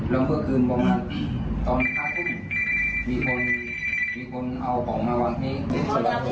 แล้วเมื่อคืนตอน๕ทุ่มมีคนเอาปล่องมาหวังนี้